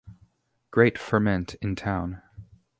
Great ferment in town.